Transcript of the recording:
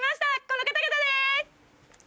この方々です！